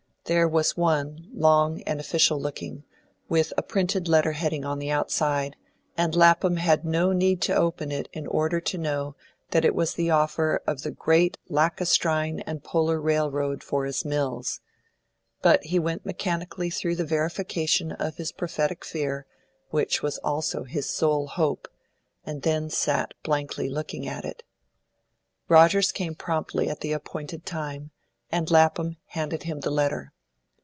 There was one, long and official looking, with a printed letter heading on the outside, and Lapham had no need to open it in order to know that it was the offer of the Great Lacustrine & Polar Railroad for his mills. But he went mechanically through the verification of his prophetic fear, which was also his sole hope, and then sat looking blankly at it. Rogers came promptly at the appointed time, and Lapham handed him the letter.